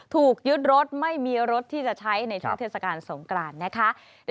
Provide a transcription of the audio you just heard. ถูกยึดรถไม่มีรถที่จะใช้ในช่วงเทศกาลสงกรานนะคะ